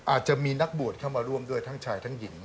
อาจจะมีนักบวชเข้ามาร่วมด้วยทั้งชายทั้งหญิง